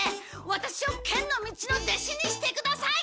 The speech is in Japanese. ワタシを剣の道の弟子にしてください！